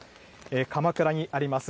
鎌倉にあります